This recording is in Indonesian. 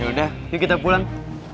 yaudah yuk kita pulang